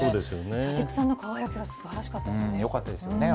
車軸さんの輝きがすばらしかったですね。